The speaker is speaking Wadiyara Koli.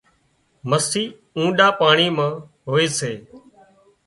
مسي اونڏا پاڻي مان هوئي سي